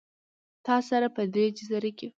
تا سره، په دې جزیره کې